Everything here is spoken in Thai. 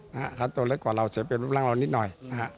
ฮะขาดตัวเล็กกว่าเราเสียเป็นร่างเรานิดหน่อย